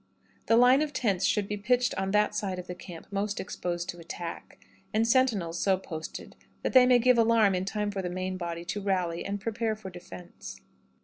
The line of tents should be pitched on that side of the camp most exposed to attack, and sentinels so posted that they may give alarm in time for the main body to rally and prepare for defense.